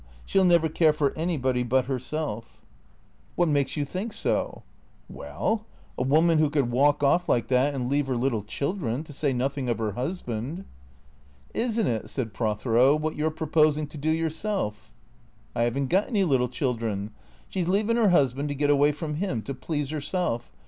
She '11 never care for anybody but herself." 502 THECEEATORS " What makes you think so ?"" Well — a woman who could walk off like that and leave 'er little children — to say nothing of 'er husband "" Is n't it," said Prothero, " what you 're proposing to do your self ?"" I 'ave n't got any little children. She 's leavin' 'er 'usband to get away from' im, to please 'erself